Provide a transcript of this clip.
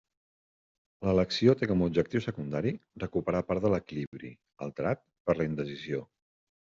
L'elecció té com a objectiu secundari recuperar part de l'equilibri, alterat per la indecisió.